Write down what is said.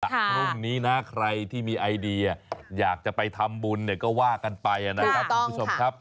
พรุ่งนี้นะใครที่มีไอเดียอยากจะไปทำบุญเนี่ยก็ว่ากันไปนะครับคุณผู้ชมครับ